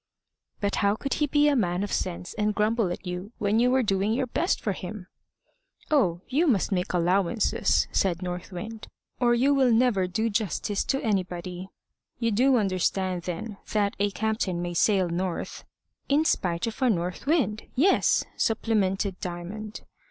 "But how could he be a man of sense and grumble at you when you were doing your best for him?" "Oh! you must make allowances," said North Wind, "or you will never do justice to anybody. You do understand, then, that a captain may sail north " "In spite of a north wind yes," supplemented Diamond.